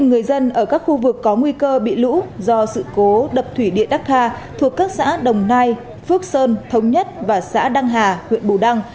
bốn người dân ở các khu vực có nguy cơ bị lũ do sự cố đập thủy điện dakar thuộc các xã đồng nai phước sơn thống nhất và xã đăng hà huyện bù đăng